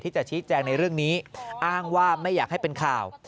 จะชี้แจงในเรื่องนี้อ้างว่าไม่อยากให้เป็นข่าว